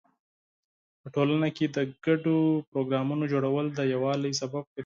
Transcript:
په ټولنه کې د ګډو پروګرامونو جوړول د یووالي سبب ګرځي.